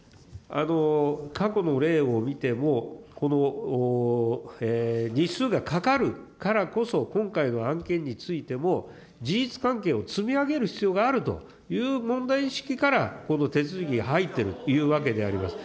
過去の例を見てもこの日数がかかるからこそ、今回の案件についても、事実関係を積み上げる必要があるという問題意識から、この手続き入ってるというわけであります。